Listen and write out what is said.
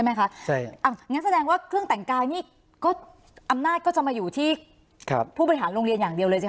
งั้นแสดงว่าเครื่องแต่งกายนี่ก็อำนาจก็จะมาอยู่ที่ผู้บริหารโรงเรียนอย่างเดียวเลยสิค